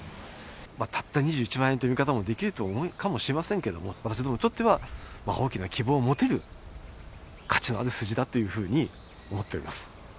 たった２１万円という見方もできるとお思いかもしれませんけれども、私どもにとっては大きな希望を持てる、価値のある数字だというふうに思っております。